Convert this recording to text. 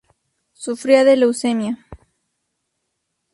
Sufría de leucemia.